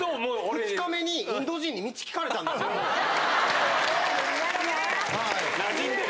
２日目にインド人に道聞かれなじんでる。